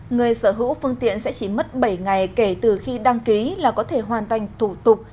người sở hữu phương tiện sẽ chỉ mất bảy ngày kể từ khi đăng ký là có thể hoàn thành thủ tục